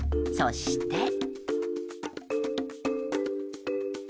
そして。